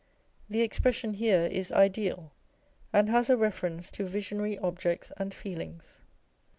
The expression here is ideal, and has a reference to visionary objects and feelings.